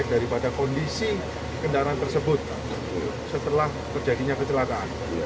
daripada kondisi kendaraan tersebut setelah terjadinya kecelakaan